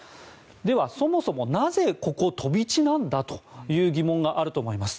では、そもそもなぜ、ここ、飛び地なんだという疑問があると思います。